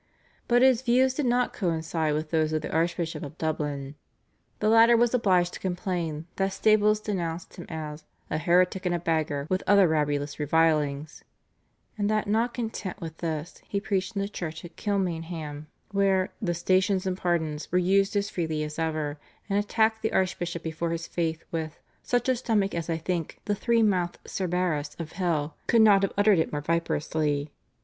But his views did not coincide with those of the Archbishop of Dublin. The latter was obliged to complain that Staples denounced him as "a heretic and a beggar with other rabulous revilings," and that not content with this, he preached in the church at Kilmainham where "the stations and pardons" were used as freely as ever, and attacked the archbishop before his face with "such a stomach as I think the three mouthed Cerberus of hell could not have uttered it more viperously."